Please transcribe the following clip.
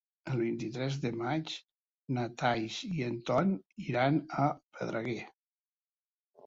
El vint-i-tres de maig na Thaís i en Ton iran a Pedreguer.